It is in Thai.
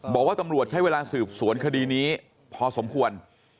บอกว่าตำรวจใช้เวลาสืบสวนคดีนี้พอสมควร